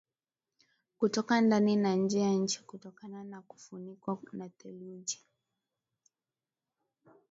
kutoka ndani na nje ya nchi kutokana na kufunikwa na theluji